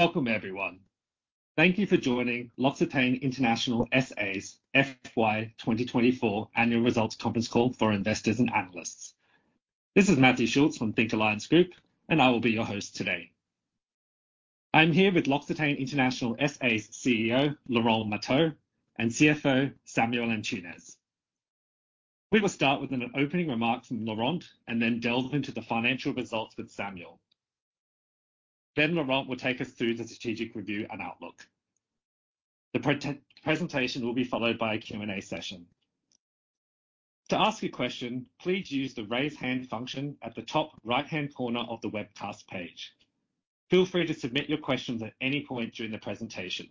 Welcome, everyone. Thank you for joining L'OCCITANE International SA's FY 2024 Annual Results Conference Call for Investors and Analysts. This is Matthew Schultz from the Think Alliance Group, and I will be your host today. I'm here with L'OCCITANE International SA's CEO, Laurent Marteau, and CFO, Samuel Antunes. We will start with an opening remark from Laurent and then delve into the financial results with Samuel. Then Laurent will take us through the strategic review and outlook. The presentation will be followed by a Q&A session. To ask a question, please use the raise hand function at the top right-hand corner of the webcast page. Feel free to submit your questions at any point during the presentation.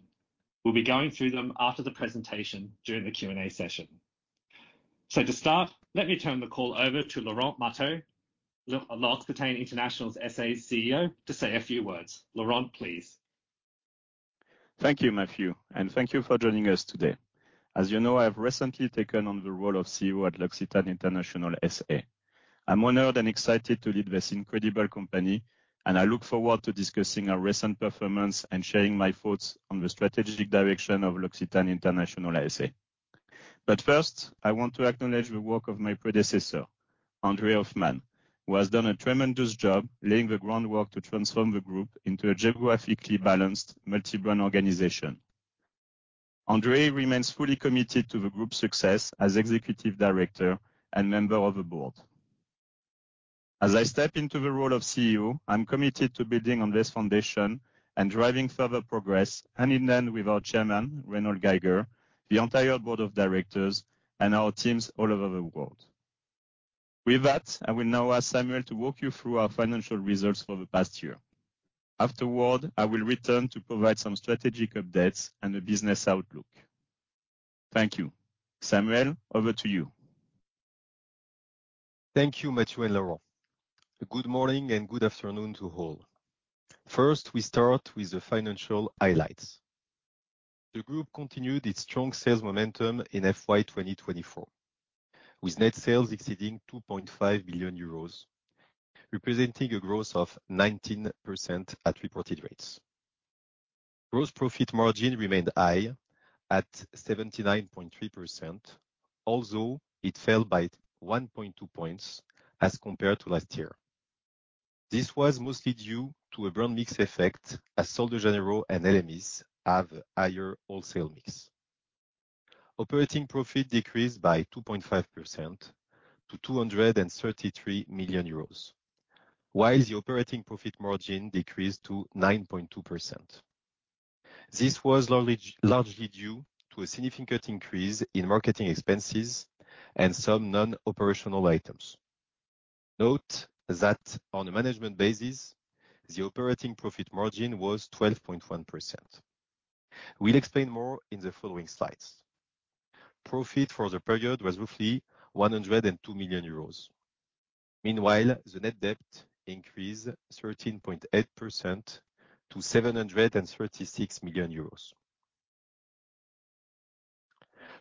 We'll be going through them after the presentation during the Q&A session. To start, let me turn the call over to Laurent Marteau, L'OCCITANE International SA's CEO, to say a few words. Laurent, please. Thank you, Matthew, and thank you for joining us today. As you know, I've recently taken on the role of CEO at L'OCCITANE International SA, I'm honored and excited to lead this incredible company, and I look forward to discussing our recent performance and sharing my thoughts on the strategic direction of L'OCCITANE International SA. But first, I want to acknowledge the work of my predecessor, André Hoffmann, who has done a tremendous job laying the groundwork to transform the group into a geographically balanced, multi-brand organization. André remains fully committed to the group's success as Executive Director and member of the board. As I step into the role of CEO, I'm committed to building on this foundation and driving further progress hand in hand with our Chairman; Reinold Geiger, the entire board of directors, and our teams all over the world. With that, I will now ask Samuel to walk you through our financial results for the past year. Afterward, I will return to provide some strategic updates and a business outlook. Thank you. Samuel, over to you. Thank you, Matthew and Laurent. Good morning and good afternoon to all. First, we start with the financial highlights. The group continued its strong sales momentum in FY 2024, with net sales exceeding 2.5 billion euros, representing a growth of 19% at reported rates. Gross profit margin remained high at 79.3%, although it fell by 1.2 points as compared to last year. This was mostly due to a brand mix effect, as Sol de Janeiro and ELEMIS have a higher wholesale mix. Operating profit decreased by 2.5% to 233 million euros, while the operating profit margin decreased to 9.2%. This was largely due to a significant increase in marketing expenses and some non-operational items. Note that on a management basis, the operating profit margin was 12.1%. We'll explain more in the following slides. Profit for the period was roughly 102 million euros. Meanwhile, the net debt increased 13.8% to EUR 736 million.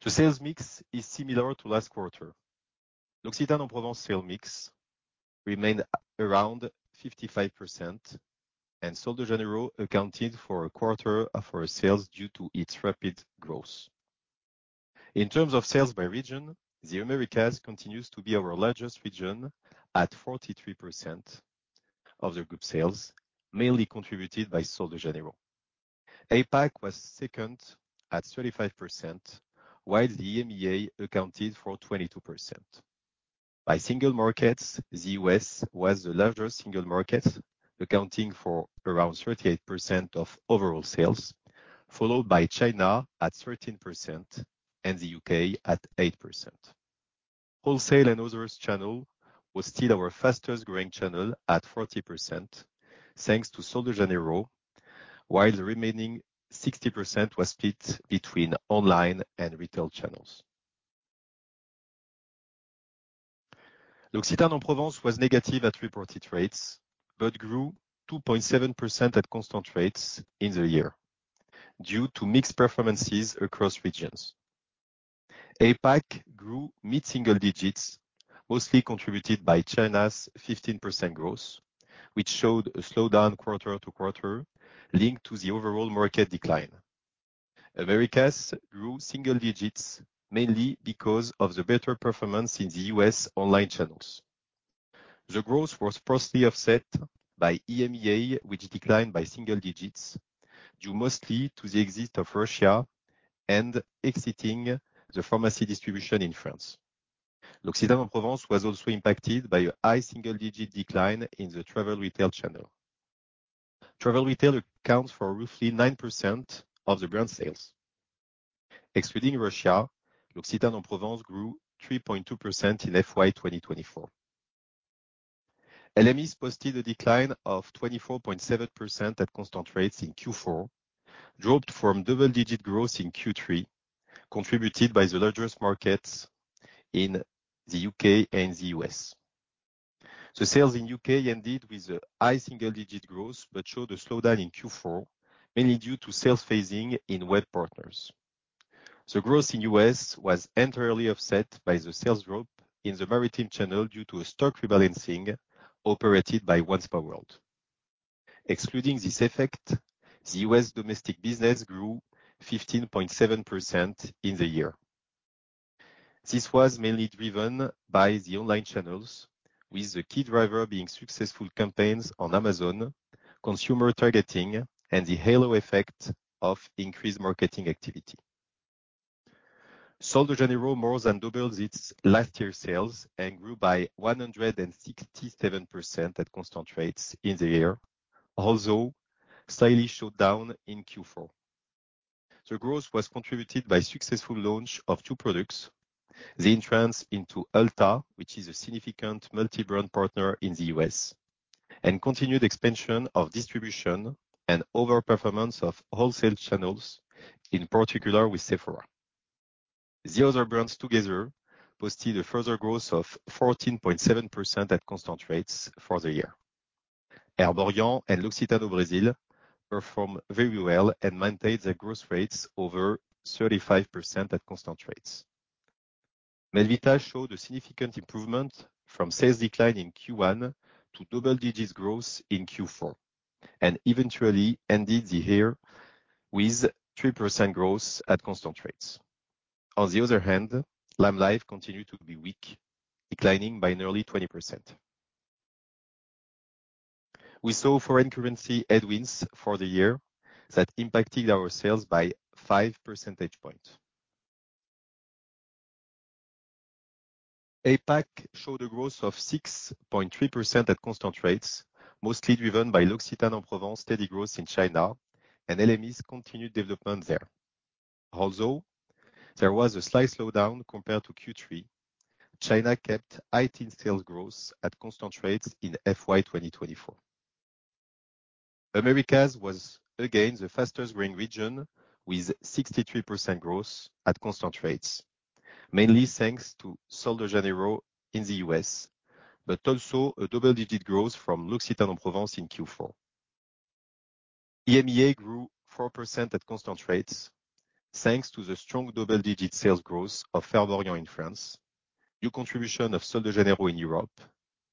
The sales mix is similar to last quarter. L'OCCITANE en Provence sales mix remained around 55%, and Sol de Janeiro accounted for a quarter of our sales due to its rapid growth. In terms of sales by region, the Americas continues to be our largest region at 43% of the group sales, mainly contributed by Sol de Janeiro. APAC was second at 35%, while the EMEA accounted for 22%. By single markets, the U.S. was the largest single market, accounting for around 38% of overall sales, followed by China at 13% and the U.K. at 8%. Wholesale and others channel was still our fastest growing channel at 40%, thanks to Sol de Janeiro, while the remaining 60% was split between online and retail channels. L'OCCITANE en Provence was negative at reported rates, but grew 2.7% at constant rates in the year due to mixed performances across regions. APAC grew mid-single digits, mostly contributed by China's 15% growth, which showed a slowdown quarter to quarter linked to the overall market decline. Americas grew single digits mainly because of the better performance in the US online channels. The growth was partially offset by EMEA, which declined by single digits due mostly to the existence of Russia and exiting the pharmacy distribution in France. L'OCCITANE en Provence was also impacted by a high single-digit decline in the travel retail channel. Travel retail accounts for roughly 9% of the brand sales. Excluding Russia, L'OCCITANE en Provence grew 3.2% in FY 2024. LMEs posted a decline of 24.7% at constant rates in Q4, dropped from double-digit growth in Q3, contributed by the largest markets in the U.K., and the .U.S.. The sales in the U.K. ended with a high single-digit growth but showed a slowdown in Q4, mainly due to sales phasing in web partners. The growth in the U.S. was entirely offset by the sales drop in the maritime channel due to stock rebalancing operated by OneSpaWorld. Excluding this effect, the U.S. domestic business grew 15.7% in the year. This was mainly driven by the online channels, with the key driver being successful campaigns on Amazon, consumer targeting, and the halo effect of increased marketing activity. Sol de Janeiro more than doubled its last year's sales and grew by 167% at constant rates in the year, although slightly slowed down in Q4. The growth was contributed by successful launch of two products, the entrance into Ulta, which is a significant multi-brand partner in the U.S., and continued expansion of distribution and overperformance of wholesale channels, in particular with Sephora. The other brands together posted a further growth of 14.7% at constant rates for the year. Erborian and L'OCCITANE au Brésil performed very well and maintained their growth rates over 35% at constant rates. Melvita showed a significant improvement from sales decline in Q1 to double-digit growth in Q4, and eventually ended the year with 3% growth at constant rates. On the other hand, LimeLife continued to be weak, declining by nearly 20%. We saw foreign currency headwinds for the year that impacted our sales by 5 percentage points. APAC showed a growth of 6.3% at constant rates, mostly driven by L'OCCITANE en Provence steady growth in China and LMEs' continued development there. Although there was a slight slowdown compared to Q3, China kept high in sales growth at constant rates in FY 2024. Americas was again the fastest growing region with 63% growth at constant rates, mainly thanks to Sol de Janeiro in the U.S., but also a double-digit growth from L'OCCITANE en Provence in Q4. EMEA grew 4% at constant rates thanks to the strong double-digit sales growth of Erborian in France, new contribution of Sol de Janeiro in Europe,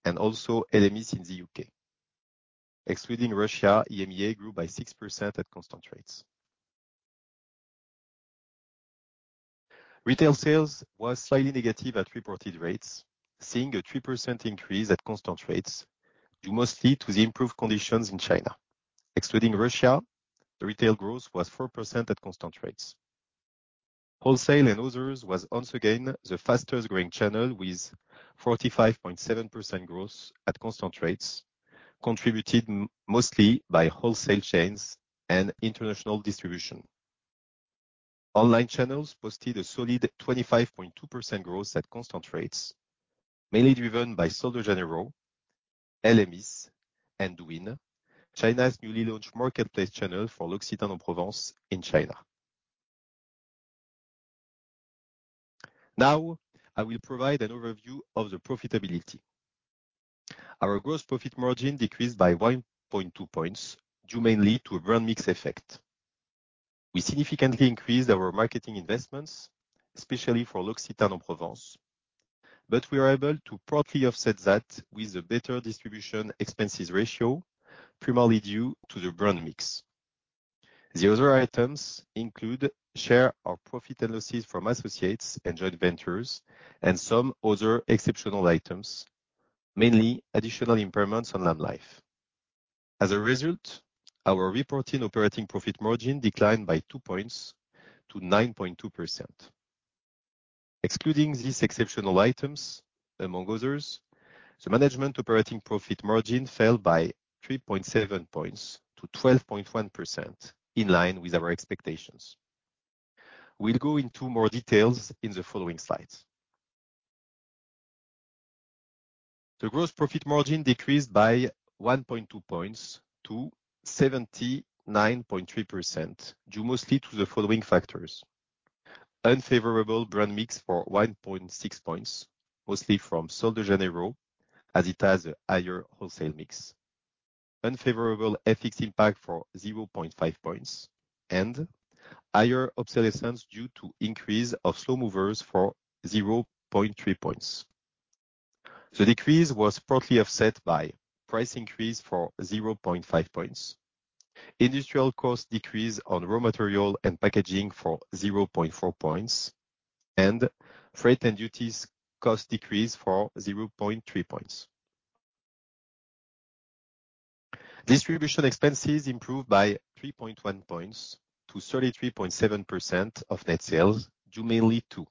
and also LMEs in the U.K.. Excluding Russia, EMEA grew by 6% at constant rates. Retail sales was slightly negative at reported rates, seeing a 3% increase at constant rates, mostly due to the improved conditions in China. Excluding Russia, retail growth was 4% at constant rates. Wholesale and others was once again the fastest growing channel with 45.7% growth at constant rates, contributed mostly by wholesale chains and international distribution. Online channels posted a solid 25.2% growth at constant rates, mainly driven by Sol de Janeiro, ELEMIS, and Douyin, China's newly launched marketplace channel for L'OCCITANE en Provence in China. Now, I will provide an overview of the profitability. Our gross profit margin decreased by 1.2 points due mainly to a brand mix effect. We significantly increased our marketing investments, especially for L'OCCITANE en Provence, but we were able to partly offset that with a better distribution expenses ratio, primarily due to the brand mix. The other items include share of profit and losses from associates and joint ventures, and some other exceptional items, mainly additional impairments on LimeLife. As a result, our reporting operating profit margin declined by 2 points to 9.2%. Excluding these exceptional items, among others, the management operating profit margin fell by 3.7 points to 12.1%, in line with our expectations. We'll go into more details in the following slides. The gross profit margin decreased by 1.2 points to 79.3% due mostly to the following factors: unfavorable brand mix for 1.6 points, mostly from Sol de Janeiro, as it has a higher wholesale mix, unfavorable FX impact for 0.5 points, and higher obsolescence due to increase of slow movers for 0.3 points. The decrease was partly offset by price increase for 0.5 points, industrial cost decrease on raw material and packaging for 0.4 points, and freight and duties cost decrease for 0.3 points. Distribution expenses improved by 3.1 points to 33.7% of net sales due mainly to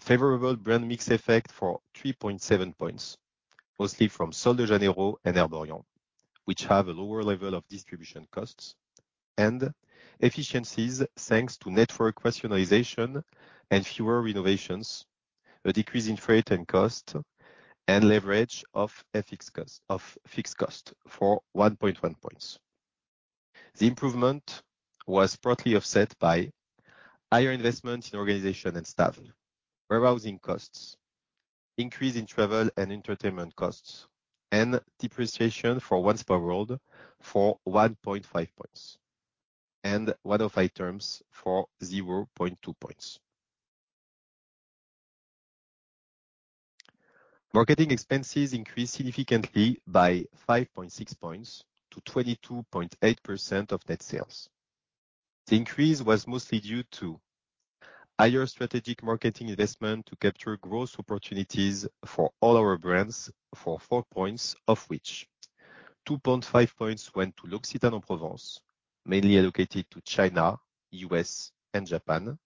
favorable brand mix effect for 3.7 points, mostly from Sol de Janeiro and Erborian, which have a lower level of distribution costs. And efficiencies thanks to network rationalization and fewer renovations, a decrease in freight and cost, and leverage of fixed cost for 1.1 points. The improvement was partly offset by higher investment in organization and staff, warehousing costs, increase in travel and entertainment costs, and depreciation for OneSpaWorld for 1.5 points. And one-off items for 0.2 points. Marketing expenses increased significantly by 5.6 points to 22.8% of net sales. The increase was mostly due to higher strategic marketing investment to capture growth opportunities for all our brands, for 4 points, of which 2.5 points went to L'OCCITANE en Provence, mainly allocated to China, U.S., and Japan,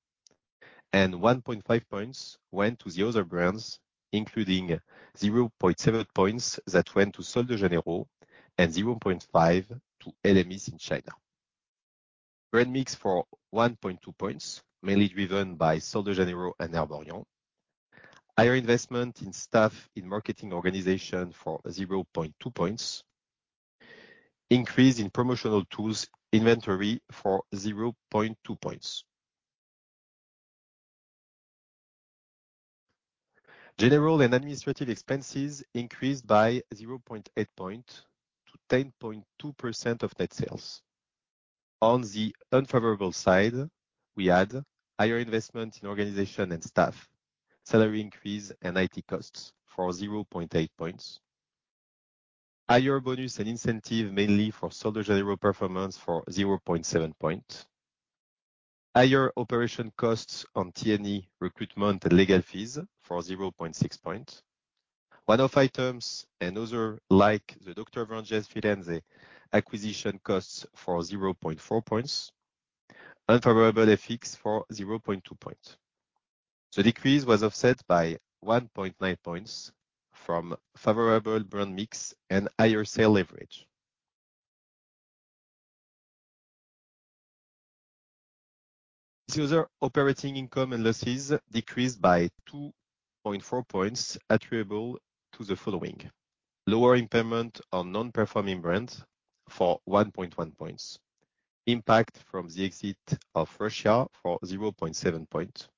and 1.5 points went to the other brands, including 0.7 points that went to Sol de Janeiro and 0.5 to LMEs in China. Brand mix for 1.2 points, mainly driven by Sol de Janeiro and Erborian. Higher investment in staff in marketing organization for 0.2 points. Increase in promotional tools inventory for 0.2 points. General and administrative expenses increased by 0.8 points to 10.2% of net sales. On the unfavorable side, we had higher investment in organization and staff, salary increase and IT costs for 0.8 percentage points, higher bonus and incentive mainly for Sol de Janeiro performance for 0.7 percentage points, higher operation costs on T&E recruitment and legal fees for 0.6 percentage points, one-off items and other, like the Dr. Vranjes Firenze acquisition costs for 0.4 percentage points, unfavorable FX for 0.2 percentage points. The decrease was offset by 1.9 percentage points from favorable brand mix and higher sale leverage. The other operating income and losses decreased by 2.4 points attributable to the following: lower impairment on non-performing brands for 1.1 points; impact from the exit of Russia for 0.7 points;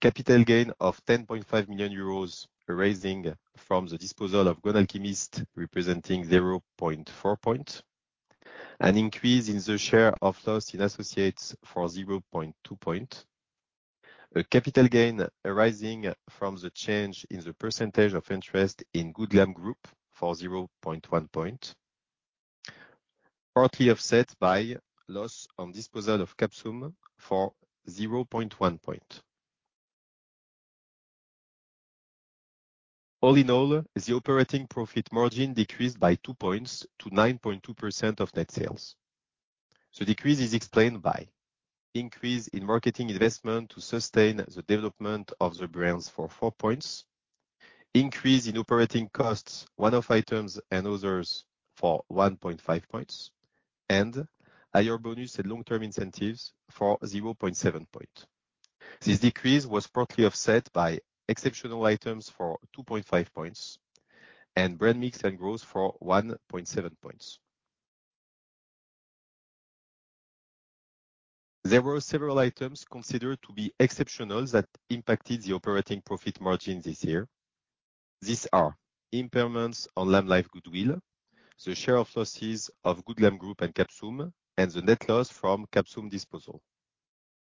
capital gain of 10.5 million euros arising from the disposal of Grown Alchemist, representing 0.4 points; an increase in the share of loss in associates for 0.2 points; a capital gain arising from the change in the percentage of interest in Good Glamm Group for 0.1 points; partly offset by loss on disposal of CAPSUM for 0.1 points. All in all, the operating profit margin decreased by 2 points to 9.2% of net sales. The decrease is explained by increase in marketing investment to sustain the development of the brands for 4 points; increase in operating costs, one-off items and others for 1.5 points; and higher bonus and long-term incentives for 0.7 points. This decrease was partly offset by exceptional items for 2.5 points and brand mix and growth for 1.7 points. There were several items considered to be exceptional that impacted the operating profit margin this year. These are impairments on LimeLife goodwill, the share of losses of Good Glamm Group and Capsum, and the net loss from Capsum disposal.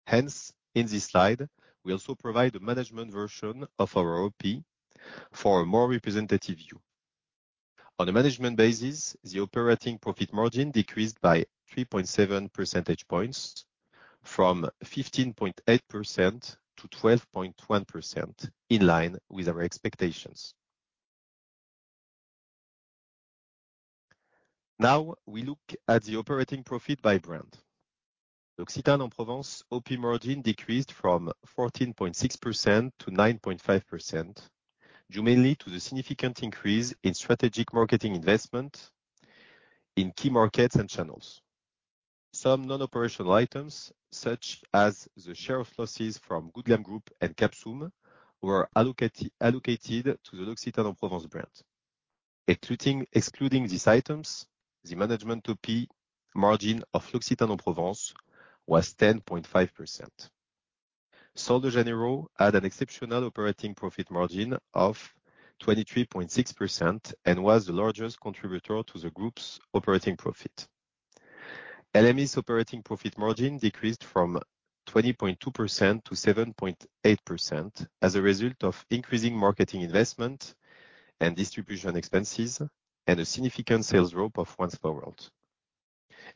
Hence, in this slide, we also provide a management version of our OP for a more representative view. On a management basis, the operating profit margin decreased by 3.7 percentage points from 15.8% to 12.1%, in line with our expectations. Now, we look at the operating profit by brand. L'OCCITANE en Provence OP margin decreased from 14.6% to 9.5%, due mainly to the significant increase in strategic marketing investment in key markets and channels. Some non-operational items, such as the share of losses from Good Glamm Group and CAPSUM, were allocated to the L'OCCITANE en Provence brand. Excluding these items, the management OP margin of L'OCCITANE en Provence was 10.5%. Sol de Janeiro had an exceptional operating profit margin of 23.6% and was the largest contributor to the group's operating profit. ELEMIS's operating profit margin decreased from 20.2% to 7.8% as a result of increasing marketing investment and distribution expenses and a significant sales drop of OneSpaWorld.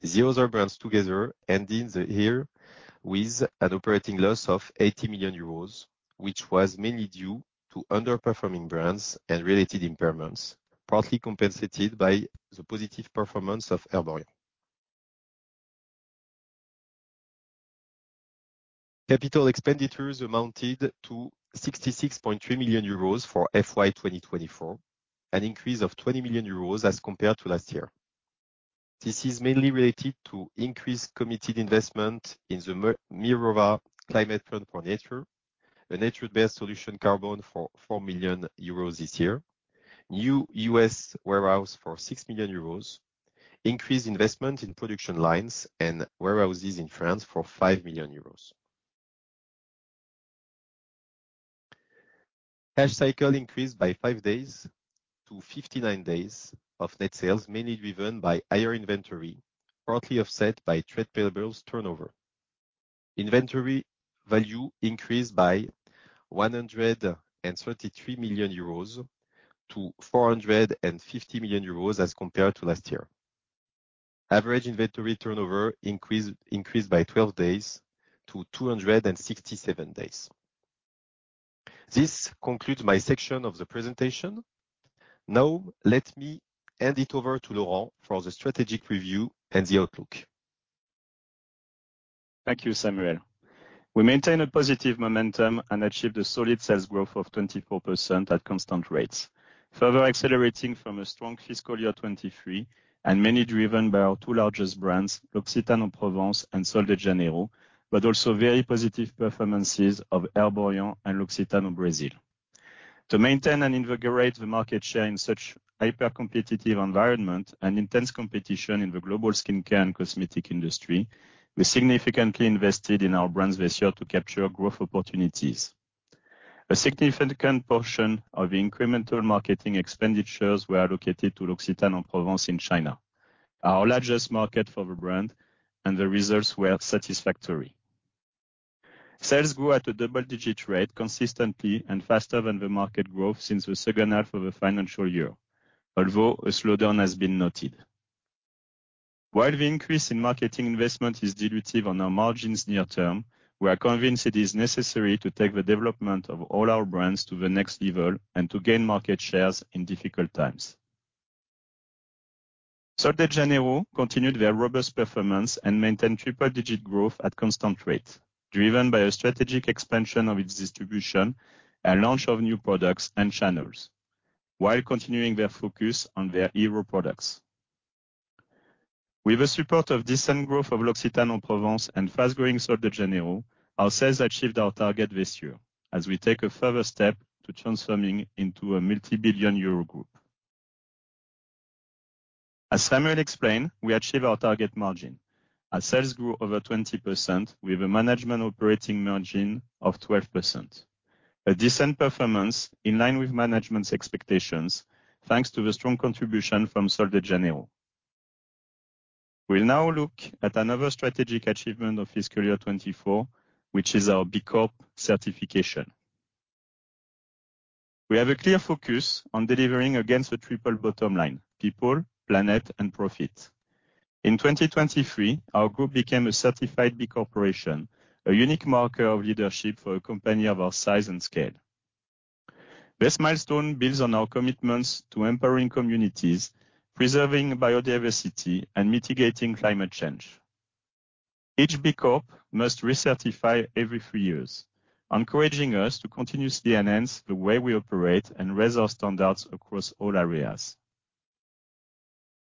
The other brands together ended the year with an operating loss of 80 million euros, which was mainly due to underperforming brands and related impairments, partly compensated by the positive performance of Erborian. Capital expenditures amounted to 66.3 million euros for FY 2024, an increase of 20 million euros as compared to last year. This is mainly related to increased committed investment in the Mirova Climate Fund for Nature, a nature-based solution carbon for 4 million euros this year, new U.S. warehouse for 6 million euros, increased investment in production lines and warehouses in France for 5 million euros. Cash cycle increased by 5 days to 59 days of net sales, mainly driven by higher inventory, partly offset by trade payables turnover. Inventory value increased by 133 million euros to 450 million euros as compared to last year. Average inventory turnover increased by 12 days to 267 days. This concludes my section of the presentation. Now, let me hand it over to Laurent for the strategic review and the outlook. Thank you, Samuel. We maintain a positive momentum and achieved a solid sales growth of 24% at constant rates, further accelerating from a strong fiscal year 2023 and mainly driven by our two largest brands, L'OCCITANE en Provence and Sol de Janeiro, but also very positive performances of Erborian and L'OCCITANE au Brésil. To maintain and invigorate the market share in such hyper-competitive environment and intense competition in the global skincare and cosmetic industry, we significantly invested in our brands this year to capture growth opportunities. A significant portion of the incremental marketing expenditures were allocated to L'OCCITANE en Provence in China, our largest market for the brand, and the results were satisfactory. Sales grew at a double-digit rate consistently and faster than the market growth since the second half of the financial year, although a slowdown has been noted. While the increase in marketing investment is dilutive on our margins near term, we are convinced it is necessary to take the development of all our brands to the next level and to gain market shares in difficult times. Sol de Janeiro continued their robust performance and maintained triple-digit growth at constant rates, driven by a strategic expansion of its distribution and launch of new products and channels, while continuing their focus on their hero products. With the support of decent growth of L'OCCITANE en Provence and fast-growing Sol de Janeiro, our sales achieved our target this year, as we take a further step to transforming into a multi-billion euro group. As Samuel explained, we achieved our target margin, as sales grew over 20% with a management operating margin of 12%. A decent performance in line with management's expectations, thanks to the strong contribution from Sol de Janeiro. We'll now look at another strategic achievement of fiscal year 2024, which is our B Corp certification. We have a clear focus on delivering against a triple bottom line: people, planet, and profit. In 2023, our group became a certified B Corporation, a unique marker of leadership for a company of our size and scale. This milestone builds on our commitments to empowering communities, preserving biodiversity, and mitigating climate change. Each B Corp must recertify every three years, encouraging us to continuously enhance the way we operate and raise our standards across all areas.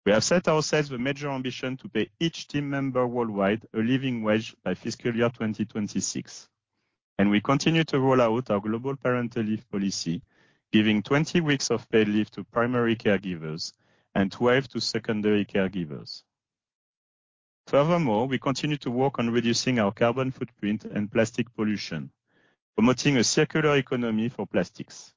We have set ourselves a major ambition to pay each team member worldwide a living wage by fiscal year 2026, and we continue to roll out our global parental leave policy, giving 20 weeks of paid leave to primary caregivers and 12 to secondary caregivers. Furthermore, we continue to work on reducing our carbon footprint and plastic pollution, promoting a circular economy for plastics,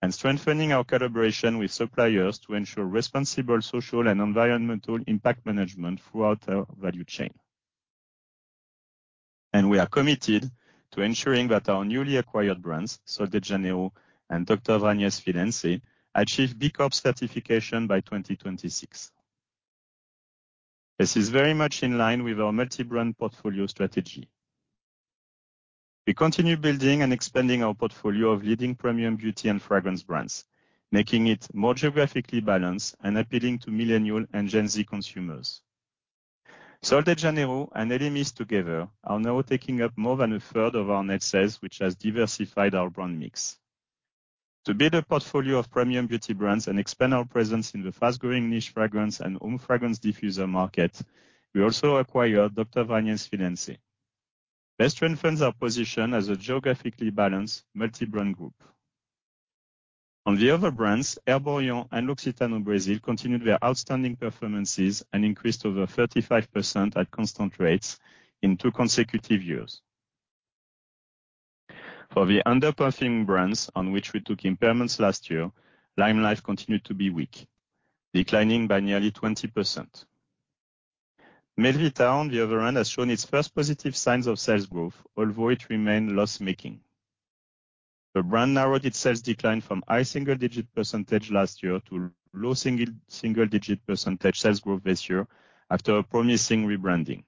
and strengthening our collaboration with suppliers to ensure responsible social and environmental impact management throughout our value chain. We are committed to ensuring that our newly acquired brands, Sol de Janeiro and ELEMIS, achieve B Corp certification by 2026. This is very much in line with our multi-brand portfolio strategy. We continue building and expanding our portfolio of leading premium beauty and fragrance brands, making it more geographically balanced and appealing to millennial and Gen Z consumers. Sol de Janeiro and LMEs together are now taking up more than a third of our net sales, which has diversified our brand mix. To build a portfolio of premium beauty brands and expand our presence in the fast-growing niche fragrance and home fragrance diffuser market, we also acquired ELEMIS. Our brands are positioned as a geographically balanced multi-brand group. On the other brands, Herb Orient and Sol de Janeiro continued their outstanding performances and increased over 35% at constant rates in two consecutive years. For the underperforming brands on which we took impairments last year, LimeLife continued to be weak, declining by nearly 20%. Melvita on the other hand has shown its first positive signs of sales growth, although it remained loss-making. The brand narrowed its sales decline from high single-digit % last year to low single-digit % sales growth this year after a promising rebranding.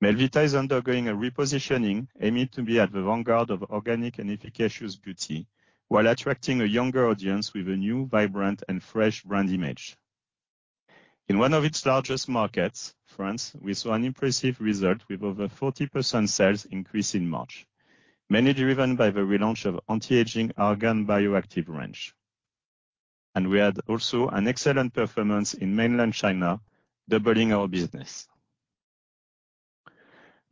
Melvita is undergoing a repositioning aimed to be at the vanguard of organic and efficacious beauty while attracting a younger audience with a new, vibrant, and fresh brand image. In one of its largest markets, France, we saw an impressive result with over 40% sales increase in March, mainly driven by the relaunch of anti-aging Argan Bio-Active range. We had also an excellent performance in mainland China, doubling our business.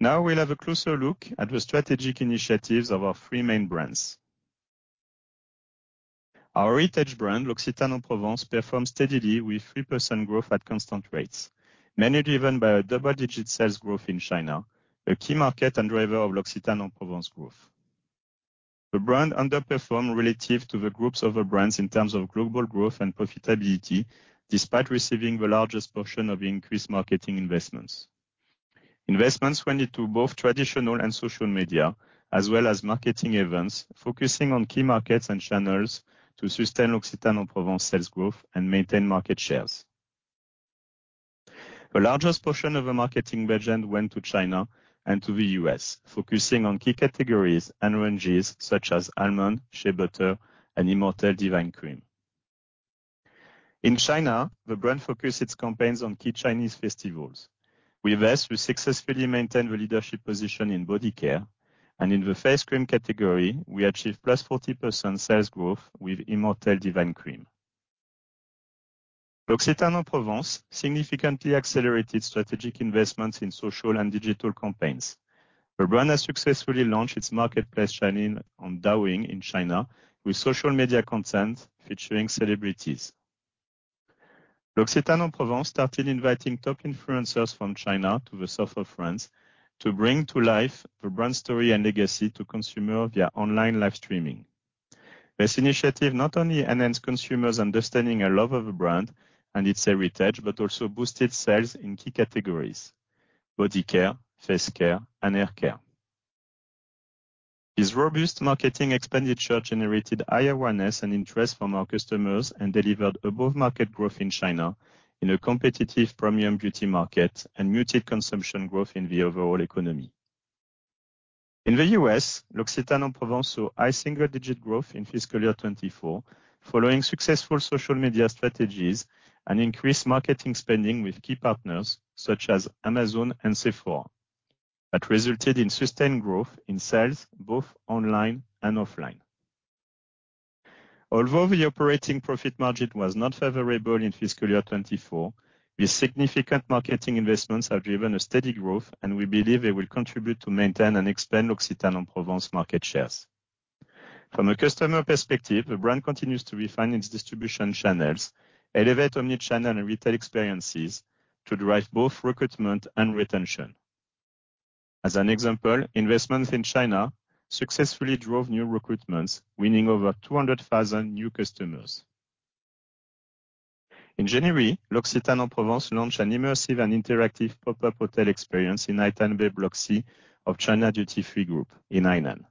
Now, we'll have a closer look at the strategic initiatives of our three main brands. Our heritage brand, L'OCCITANE en Provence, performs steadily with 3% growth at constant rates, mainly driven by a double-digit sales growth in China, a key market and driver of L'OCCITANE en Provence growth. The brand underperformed relative to the groups of brands in terms of global growth and profitability, despite receiving the largest portion of increased marketing investments. Investments went into both traditional and social media, as well as marketing events, focusing on key markets and channels to sustain L'OCCITANE en Provence's sales growth and maintain market shares. The largest portion of the marketing budget went to China and to the U.S., focusing on key categories and ranges such as Almond, Shea Butter, and Immortelle Divine Cream. In China, the brand focused its campaigns on key Chinese festivals. With this, we successfully maintained the leadership position in body care, and in the face cream category, we achieved plus 40% sales growth with Immortelle Divine Cream. L'OCCITANE en Provence significantly accelerated strategic investments in social and digital campaigns. The brand has successfully launched its marketplace channel on Douyin in China with social media content featuring celebrities. L'OCCITANE en Provence started inviting top influencers from China to the south of France to bring to life the brand story and legacy to consumers via online live streaming. This initiative not only enhanced consumers' understanding and love of the brand and its heritage, but also boosted sales in key categories: body care, face care, and hair care. This robust marketing expenditure generated high awareness and interest from our customers and delivered above-market growth in China in a competitive premium beauty market and muted consumption growth in the overall economy. In the U.S., L'OCCITANE en Provence saw high single-digit growth in fiscal year 2024, following successful social media strategies and increased marketing spending with key partners such as Amazon and Sephora, that resulted in sustained growth in sales both online and offline. Although the operating profit margin was not favorable in fiscal year 2024, these significant marketing investments have driven a steady growth, and we believe they will contribute to maintain and expand L'OCCITANE en Provence market shares. From a customer perspective, the brand continues to refine its distribution channels, elevate omnichannel and retail experiences to drive both recruitment and retention. As an example, investments in China successfully drove new recruitments, winning over 200,000 new customers. In January, L'OCCITANE en Provence launched an immersive and interactive pop-up hotel experience in Haitang Bay Block C of China Duty Free Group in Hainan.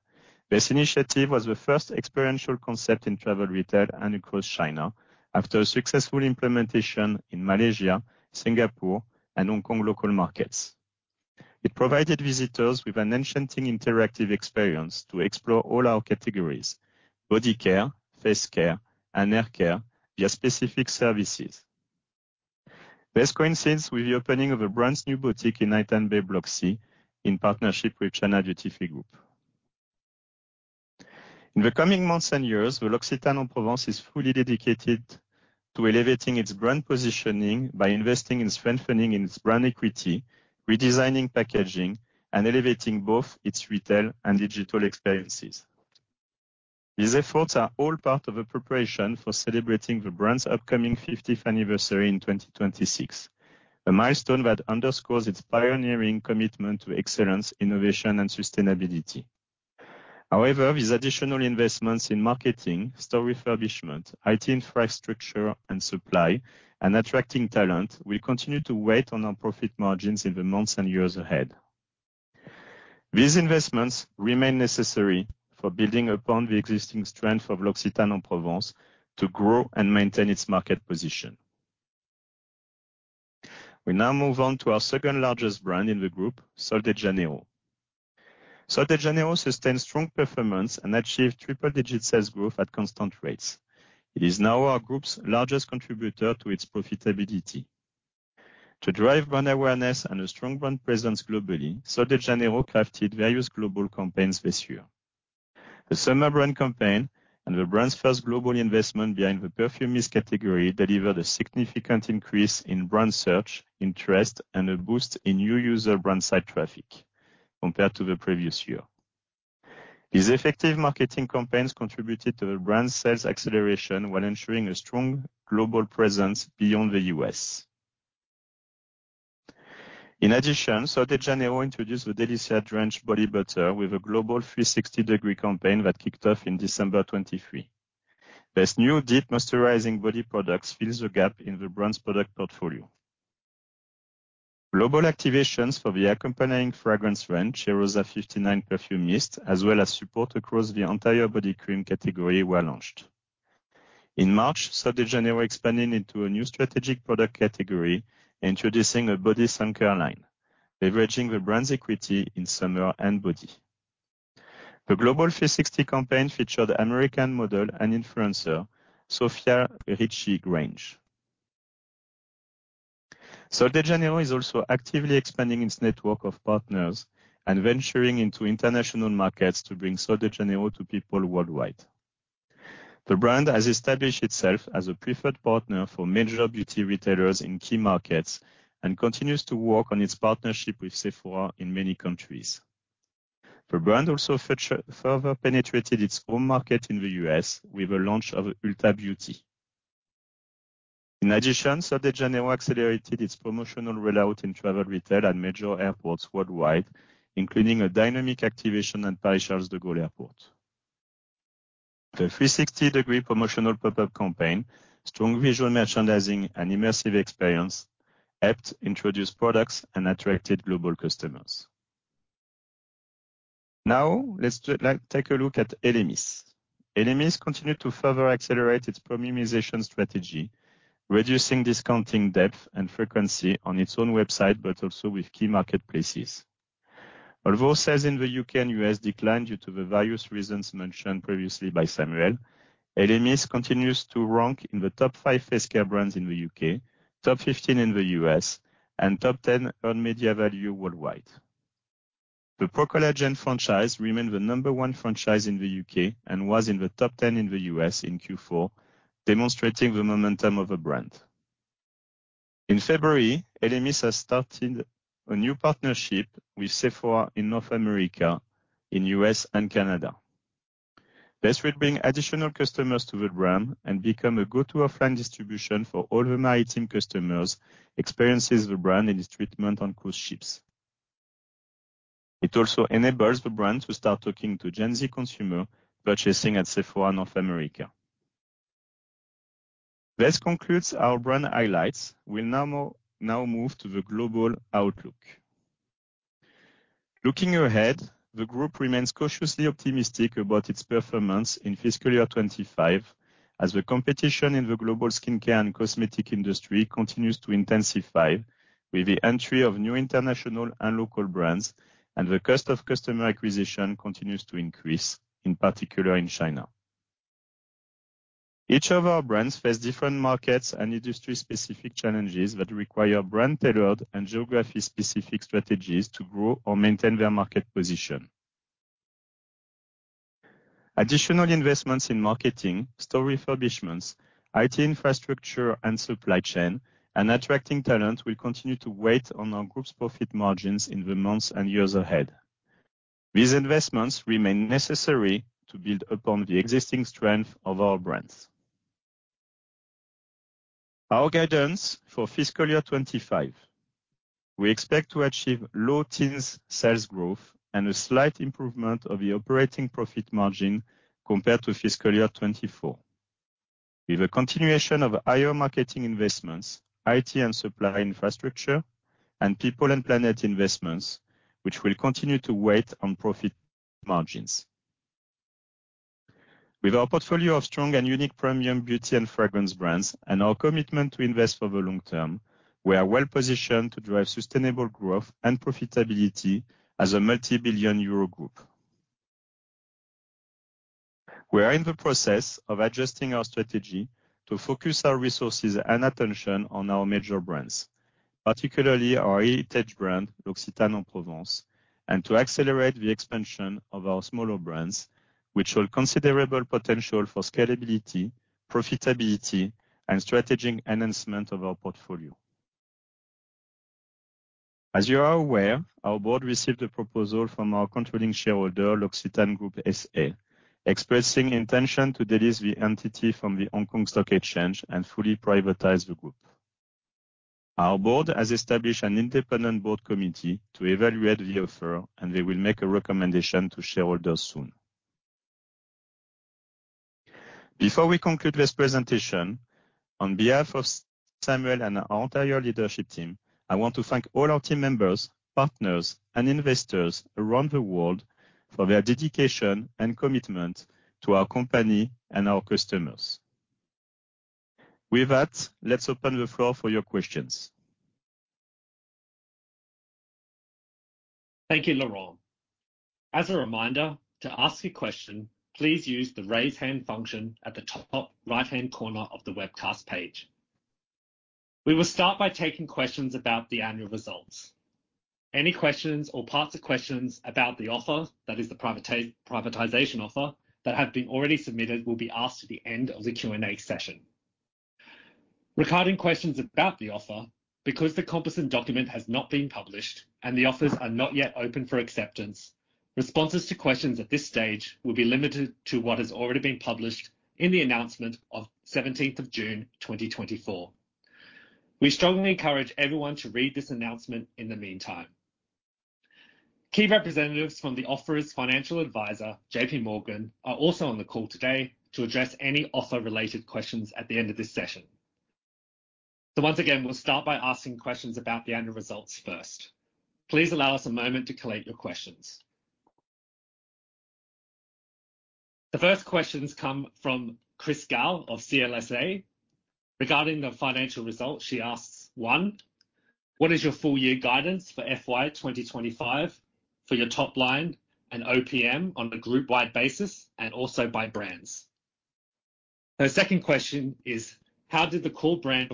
This initiative was the first experiential concept in travel retail and across China after a successful implementation in Malaysia, Singapore, and Hong Kong local markets. It provided visitors with an enchanting interactive experience to explore all our categories: body care, face care, and hair care via specific services. This coincides with the opening of a brand-new boutique in Haitang Bay Block C in partnership with China Duty Free Group. In the coming months and years, L'OCCITANE en Provence is fully dedicated to elevating its brand positioning by investing in strengthening its brand equity, redesigning packaging, and elevating both its retail and digital experiences. These efforts are all part of the preparation for celebrating the brand's upcoming 50th anniversary in 2026, a milestone that underscores its pioneering commitment to excellence, innovation, and sustainability. However, these additional investments in marketing, store refurbishment, IT infrastructure, and supply, and attracting talent will continue to weigh on our profit margins in the months and years ahead. These investments remain necessary for building upon the existing strength of L'OCCITANE en Provence to grow and maintain its market position. We now move on to our second-largest brand in the group, Sol de Janeiro. Sol de Janeiro sustained strong performance and achieved triple-digit sales growth at constant rates. It is now our group's largest contributor to its profitability. To drive brand awareness and a strong brand presence globally, Sol de Janeiro crafted various global campaigns this year. The summer brand campaign and the brand's first global investment behind the perfume mist category delivered a significant increase in brand search interest and a boost in new user brand site traffic compared to the previous year. These effective marketing campaigns contributed to the brand's sales acceleration while ensuring a strong global presence beyond the U.S.. In addition, Sol de Janeiro introduced the Delícia Drench Body Butter with a global 360-degree campaign that kicked off in December 2023. This new deep moisturizing body product fills the gap in the brand's product portfolio. Global activations for the accompanying fragrance range, Cheirosa 59 Perfume Mist, as well as support across the entire body cream category were launched. In March, Sol de Janeiro expanded into a new strategic product category, introducing a body sun care line, leveraging the brand's equity in summer and body. The global 360 campaign featured the American model and influencer, Sofia Richie Grainge. Sol de Janeiro is also actively expanding its network of partners and venturing into international markets to bring Sol de Janeiro to people worldwide. The brand has established itself as a preferred partner for major beauty retailers in key markets and continues to work on its partnership with Sephora in many countries. The brand also further penetrated its home market in the US with the launch of Ulta Beauty. In addition, Sol de Janeiro accelerated its promotional rollout in travel retail and major airports worldwide, including a dynamic activation at Paris Charles de Gaulle Airport. The 360-degree promotional pop-up campaign, strong visual merchandising, and immersive experience helped introduce products and attracted global customers. Now, let's take a look at LMEs. LMEs continue to further accelerate its premiumization strategy, reducing discounting depth and frequency on its own website, but also with key marketplaces. Although sales in the U.K. and U.S., declined due to the various reasons mentioned previously by Samuel, LMEs continues to rank in the top five face care brands in the U.K., top 15 in the U.S., and top 10 on media value worldwide. The Pro-Collagen franchise remained the number one franchise in the U.K. and was in the top 10 in the U.S. in Q4, demonstrating the momentum of the brand. In February, LMEs have started a new partnership with Sephora in North America, in the U.S. and Canada. This will bring additional customers to the brand and become a go-to offline distribution for all the maritime customers experiencing the brand in its treatment on cruise ships. It also enables the brand to start talking to Gen Z consumers purchasing at Sephora in North America. This concludes our brand highlights. We'll now move to the global outlook. Looking ahead, the group remains cautiously optimistic about its performance in fiscal year 2025, as the competition in the global skincare and cosmetic industry continues to intensify with the entry of new international and local brands, and the cost of customer acquisition continues to increase, in particular in China. Each of our brands faces different markets and industry-specific challenges that require brand-tailored and geography-specific strategies to grow or maintain their market position. Additional investments in marketing, store refurbishments, IT infrastructure, and supply chain, and attracting talent will continue to weigh on our group's profit margins in the months and years ahead. These investments remain necessary to build upon the existing strength of our brands. Our guidance for fiscal year 2025; we expect to achieve low teens sales growth and a slight improvement of the operating profit margin compared to fiscal year 2024, with a continuation of higher marketing investments, IT and supply infrastructure, and people and planet investments, which will continue to weigh on profit margins. With our portfolio of strong and unique premium beauty and fragrance brands and our commitment to invest for the long term, we are well-positioned to drive sustainable growth and profitability as a multi-billion euro group. We are in the process of adjusting our strategy to focus our resources and attention on our major brands, particularly our heritage brand, L'OCCITANE en Provence, and to accelerate the expansion of our smaller brands, which hold considerable potential for scalability, profitability, and strategic enhancement of our portfolio. As you are aware, our board received a proposal from our controlling shareholder, L'OCCITANE Group SA, expressing intention to delist the entity from the Hong Kong Stock Exchange and fully privatize the group. Our board has established an independent board committee to evaluate the offer, and they will make a recommendation to shareholders soon. Before we conclude this presentation, on behalf of Samuel and our entire leadership team, I want to thank all our team members, partners, and investors around the world for their dedication and commitment to our company and our customers. With that, let's open the floor for your questions. Thank you, Laurent. As a reminder, to ask a question, please use the raise hand function at the top right-hand corner of the webcast page. We will start by taking questions about the annual results. Any questions or parts of questions about the offer, that is, the privatization offer, that have been already submitted will be asked at the end of the Q&A session. Regarding questions about the offer, because the composite document has not been published and the offers are not yet open for acceptance, responses to questions at this stage will be limited to what has already been published in the announcement of 17th of June, 2024. We strongly encourage everyone to read this announcement in the meantime. Key representatives from the offer's financial advisor, JPMorgan, are also on the call today to address any offer-related questions at the end of this session. So once again, we'll start by asking questions about the annual results first. Please allow us a moment to collate your questions. The first questions come from Chris Gow of CLSA. Regarding the financial results, she asks, one, what is your full-year guidance for FY 2025 for your top line and OPM on a group-wide basis and also by brands? Her second question is, how did the core brand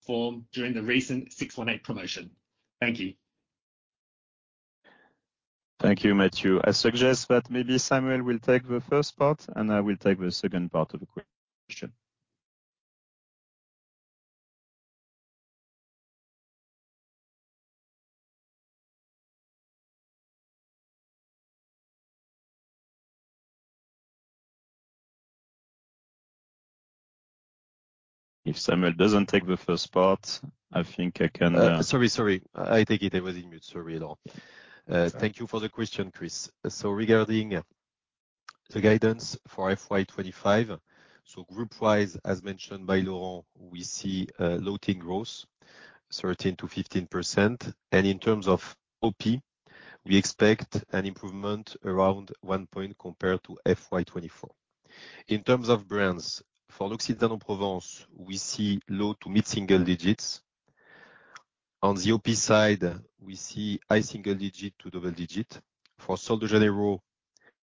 perform during the recent 618 promotion? Thank you. Thank you, Matthew. I suggest that maybe Samuel will take the first part, and I will take the second part of the question. If Samuel doesn't take the first part, I think I can... Sorry, sorry. I think he was in mute. Sorry, Laurent. Thank you for the question, Chris. So regarding the guidance for FY 2025, so group-wise, as mentioned by Laurent, we see low double-digit growth, 13%-15%. And in terms of OP, we expect an improvement around one point compared to FY 2024. In terms of brands, for L'OCCITANE en Provence, we see low to mid-single digits. On the OP side, we see high single digit to double digit. For Sol de Janeiro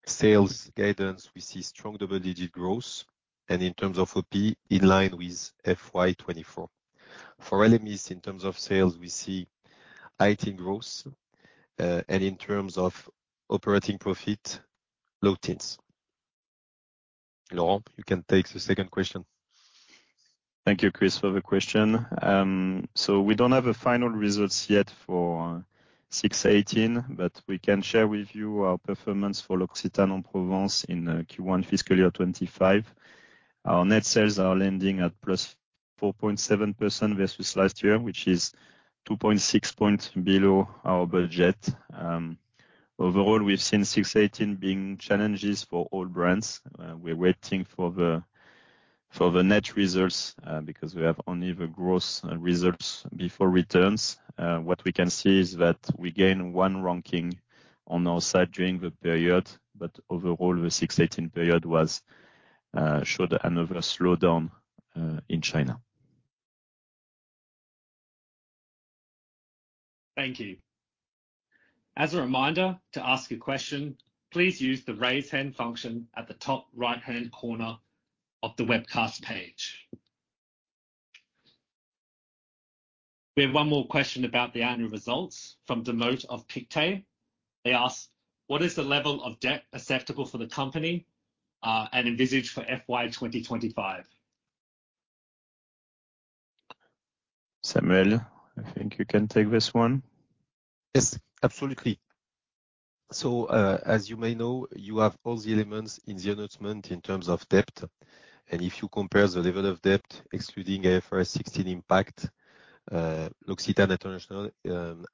sales guidance, we see strong double-digit growth. And in terms of OP, in line with FY 2024. For ELEMIS, in terms of sales, we see heightened growth. And in terms of operating profit, low teens. Laurent, you can take the second question. Thank you, Chris, for the question. So we don't have the final results yet for 618, but we can share with you our performance for L'OCCITANE en Provence in Q1 fiscal year 2025. Our net sales are landing at plus 4.7% versus last year, which is 2.6 points below our budget. Overall, we've seen 618 being challenges for all brands. We're waiting for the net results because we have only the gross results before returns. What we can see is that we gained one ranking on our side during the period, but overall, the 618 period showed another slowdown in China. Thank you. As a reminder, to ask a question, please use the raise hand function at the top right-hand corner of the webcast page. We have one more question about the annual results from the note of Pictet. They ask, what is the level of debt acceptable for the company and envisaged for FY 2025? Samuel, I think you can take this one. Yes, absolutely. So as you may know, you have all the elements in the announcement in terms of debt. And if you compare the level of debt, excluding FY 2016 impact, L'OCCITANE International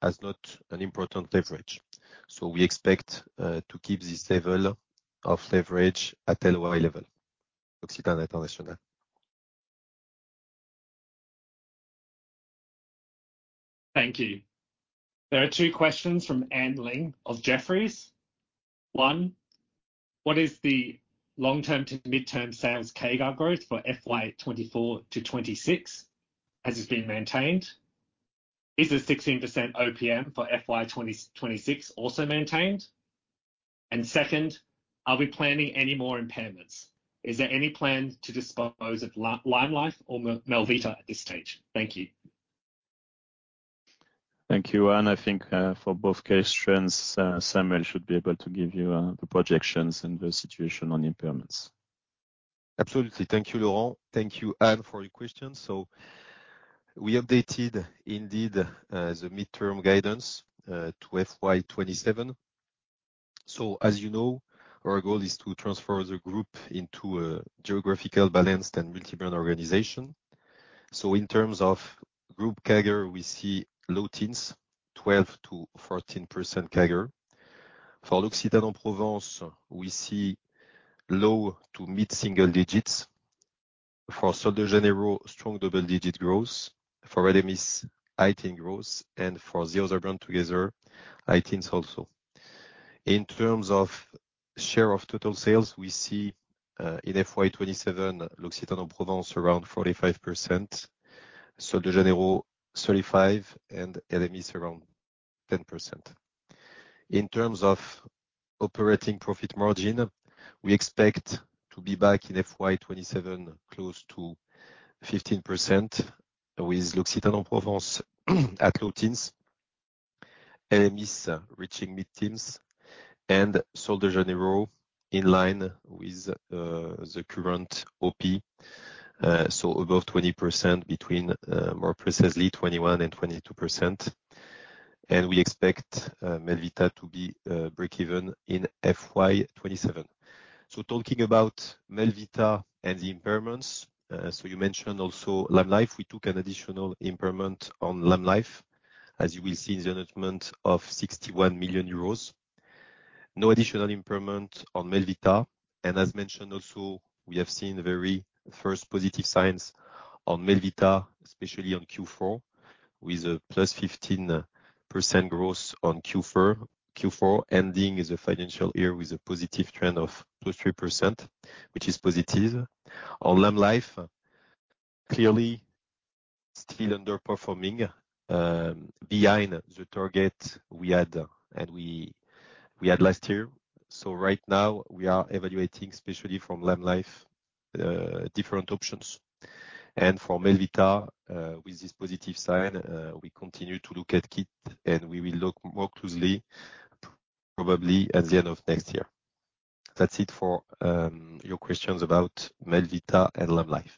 has not an important leverage. So we expect to keep this level of leverage at LY level, L'OCCITANE International. Thank you. There are two questions from Anne Ling of Jefferies. One, what is the long-term to mid-term sales CAGR growth for FY 2024 to 2026 as it's been maintained? Is the 16% OPM for FY 2026 also maintained? And second, are we planning any more impairments? Is there any plan to dispose of LimeLife or Melvita at this stage? Thank you. Thank you, Anne. I think for both questions, Samuel should be able to give you the projections and the situation on impairments. Absolutely. Thank you, Laurent. Thank you, Anne, for your questions. So we updated indeed the mid-term guidance to FY 2027. So as you know, our goal is to transfer the group into a geographically balanced and multi-brand organization. So in terms of group CAGR, we see low teens, 12%-14% CAGR. For L'OCCITANE en Provence, we see low to mid-single digits. For Sol de Janeiro, strong double-digit growth. For LMEs, heightened growth. And for the other brands together, heightened also. In terms of share of total sales, we see in FY 2027, L'OCCITANE en Provence around 45%, Sol de Janeiro 35%, and LMEs around 10%. In terms of operating profit margin, we expect to be back in FY 2027 close to 15% with L'OCCITANE en Provence at low teens, LMEs reaching mid-teens, and Sol de Janeiro in line with the current OP, so above 20% between, more precisely, 21% and 22%. And we expect Melvita to be break-even in FY 2027. So talking about Melvita and the impairments, so you mentioned also LimeLife, we took an additional impairment on LimeLife, as you will see in the announcement of 61 million euros. No additional impairment on Melvita. And as mentioned also, we have seen very first positive signs on Melvita, especially on Q4, with a +15% growth on Q4, ending the financial year with a positive trend of +3%, which is positive. On LimeLife, clearly still underperforming behind the target we had and we had last year. So right now, we are evaluating, especially from LimeLife, different options. And for Melvita, with this positive sign, we continue to look at it, and we will look more closely, probably at the end of next year. That's it for your questions about Melvita and LimeLife.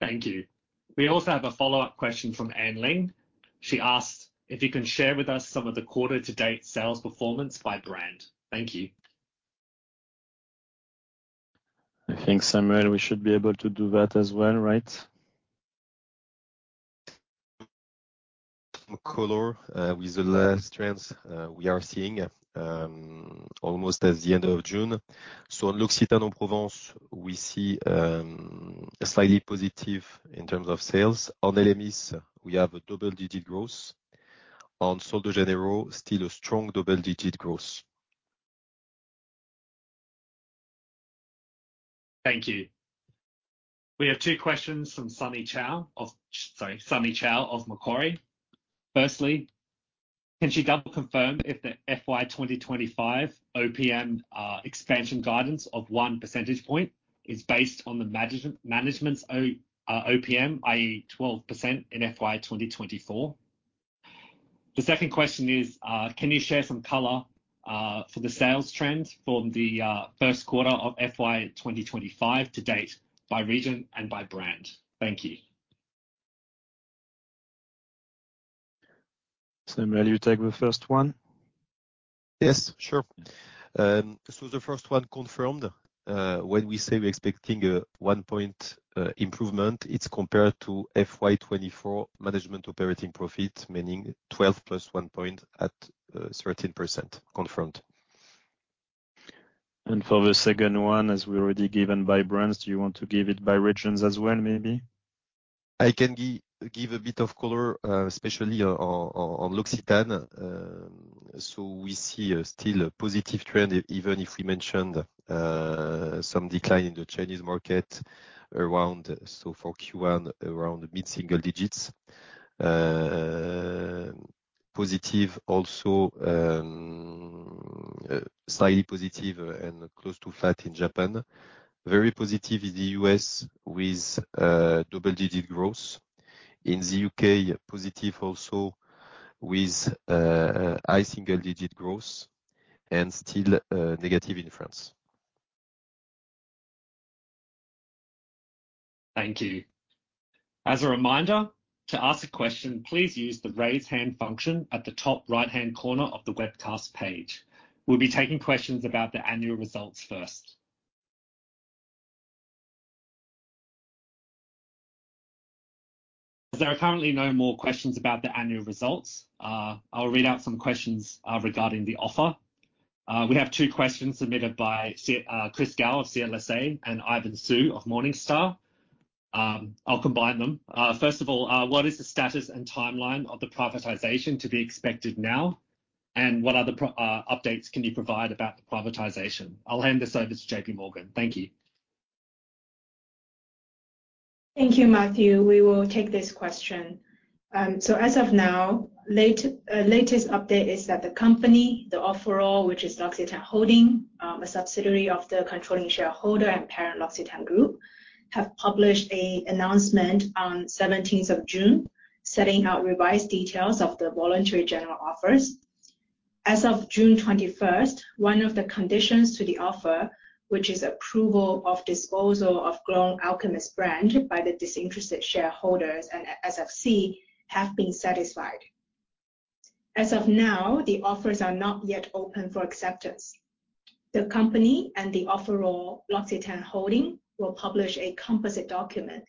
Thank you. We also have a follow-up question from Anne Ling. She asked if you can share with us some of the quarter-to-date sales performance by brand. Thank you I think, Samuel, we should be able to do that as well, right? Color, with the last trends we are seeing almost at the end of June. So on L'OCCITANE en Provence, we see a slightly positive in terms of sales. On LMEs, we have a double-digit growth. On Sol de Janeiro, still a strong double-digit growth. Thank you. We have two questions from Sunny Chow of Macquarie. Firstly, can she double-confirm if the FY 2025 OPM expansion guidance of one percentage point is based on the management's OPM, i.e., 12% in FY 2024? The second question is, can you share some color for the sales trends for the first quarter of FY 2025 to date by region and by brand? Thank you. Samuel, you take the first one. Yes, sure. So the first one confirmed when we say we're expecting a one-point improvement, it's compared to FY 24 management operating profit, meaning 12% plus one point at 13% confirmed. For the second one, as we already given by brands, do you want to give it by regions as well, maybe? I can give a bit of color, especially on L'OCCITANE. So we see still a positive trend, even if we mentioned some decline in the Chinese market around, so for Q1, around mid-single digits. Positive also, slightly positive and close to flat in Japan. Very positive in the U.S. with double-digit growth. In the U.K., positive also with high single-digit growth and still negative in France. Thank you. As a reminder, to ask a question, please use the raise hand function at the top right-hand corner of the webcast page. We'll be taking questions about the annual results first. As there are currently no more questions about the annual results, I'll read out some questions regarding the offer. We have two questions submitted by Chris Gow of CLSA and Ivan Su of Morningstar. I'll combine them. First of all, what is the status and timeline of the privatization to be expected now? And what other updates can you provide about the privatization? I'll hand this over to J.P. Morgan. Thank you. Thank you, Matthew. We will take this question. So as of now, the latest update is that the company, the overall, which is L'OCCITANE. Holding, a subsidiary of the controlling shareholder and parent L'OCCITANE Group, have published an announcement on June 17th, setting out revised details of the voluntary general offers. As of June 21st, one of the conditions to the offer, which is approval of disposal of Growin Alchemist brand by the disinterested shareholders and SFC, have been satisfied. As of now, the offers are not yet open for acceptance. The company and the overall L'OCCITANE Holding SA will publish a composite document,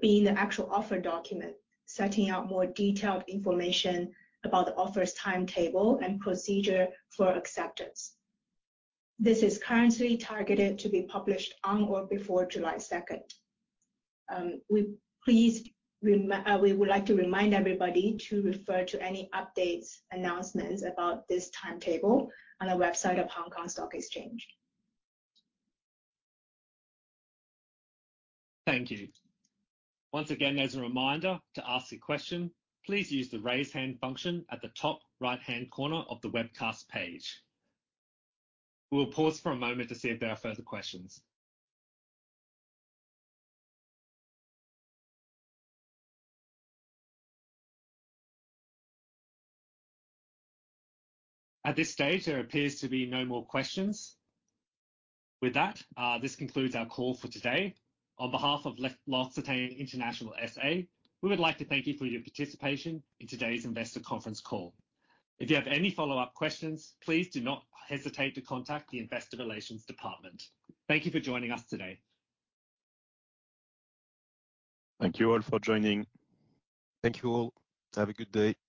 being the actual offer document, setting out more detailed information about the offer's timetable and procedure for acceptance. This is currently targeted to be published on or before July 2nd. We would like to remind everybody to refer to any updates announcements about this timetable on the website of Hong Kong Stock Exchange. Thank you. Once again, as a reminder to ask a question, please use the raise hand function at the top right-hand corner of the webcast page. We'll pause for a moment to see if there are further questions. At this stage, there appears to be no more questions. With that, this concludes our call for today. On behalf of L'OCCITANE International SA, we would like to thank you for your participation in today's investor conference call. If you have any follow-up questions, please do not hesitate to contact the investor relations department. Thank you for joining us today. Thank you all for joining. Thank you all. Have a good day.